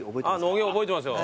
野毛覚えてますよ。